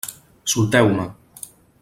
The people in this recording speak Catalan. Solteu-me!